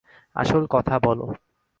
আসল কথা বলো।